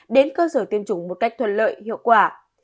đến cơ sở tiêm chủng một cách thuận lợi hiệu quả